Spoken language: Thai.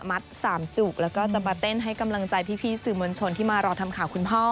สามจุกแล้วก็จะมาเต้นให้กำลังใจพี่สื่อมวลชนที่มารอทำข่าวคุณพ่อ